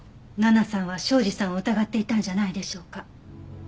奈々さんは庄司さんを疑っていたんじゃないでしょうか。